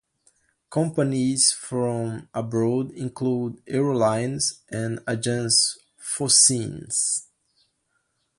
Companies from abroad include Eurolines and Agence Phoceens.